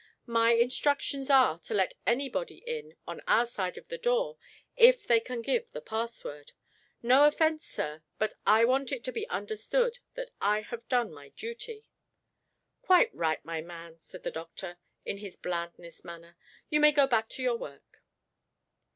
My instructions are to let anybody in on our side of the door if they can give the password. No offense, sir, but I want it to be understood that I have done my duty." "Quite right, my man," said the doctor, in his blandest manner. "You may go back to your work."